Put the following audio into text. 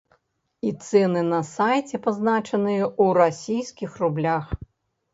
І цэны на сайце пазначаныя ў расійскіх рублях.